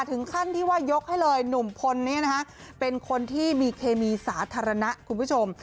ถึงขั้นที่ว่ายกให้เลยหนุ่มพลเป็นคนที่มีเคมีสาธารณะคุณผู้ชม